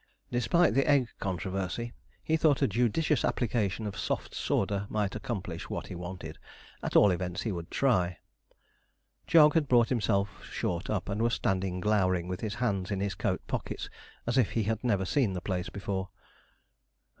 Despite the egg controversy, he thought a judicious application of soft sawder might accomplish what he wanted. At all events, he would try. Jog had brought himself short up, and was standing glowering with his hands in his coat pockets, as if he had never seen the place before.